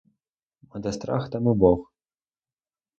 А де страх, там і бог.